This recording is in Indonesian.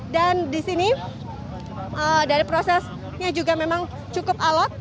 dan di sini dari prosesnya juga memang cukup alat